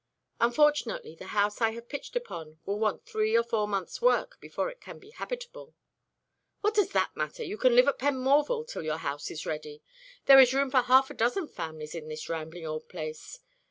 "Unfortunately the house I have pitched upon will want three or four months' work before it can be habitable." "What does that matter? You can live at Penmorval till your house is ready. There is room for half a dozen families in this rambling old place.